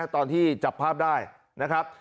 ตอนที่จับภาพได้นะครับ